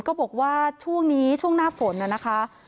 ก็บอกว่าช่วงนี้ช่วงหน้าฝนน่ะนะคะ